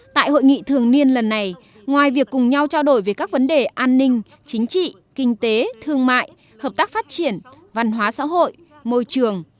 tại hội nghị thường niên lần này ngoài việc cùng nhau trao đổi về các vấn đề an ninh chính trị kinh tế thương mại hợp tác phát triển văn hóa xã hội môi trường